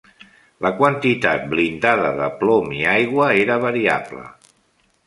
La quantitat blindada de plom i aigua era variable.